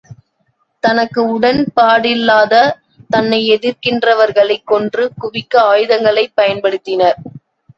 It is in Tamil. தனக்கு உடன்பாடிலாத தன்னை எதிர்க்கின்றவர்களைக் கொன்று குவிக்க ஆயுதங்களைப் பயன்படுத்தினர்.